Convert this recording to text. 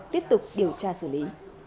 tiếp tục điều tra xử lý